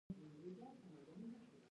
د جامد او مایع ترمنځ اصلي توپیر په څه کې دی